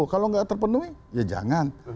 kalau nggak terpenuhi ya jangan